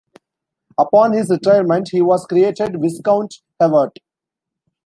Upon his retirement he was created Viscount Hewart.